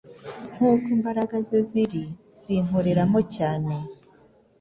nk’uko Imbaraga ze ziri zinkoreramo cyane.